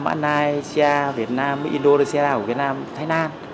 mã nai xe việt nam mỹ đô đô xe đa của việt nam thái nam